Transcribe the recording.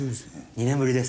２年ぶりです。